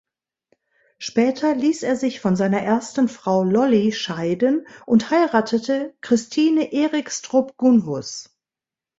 Später ließ er sich von seiner ersten Frau Lolly scheiden und heiratete Christine Erikstrup-Gunhus.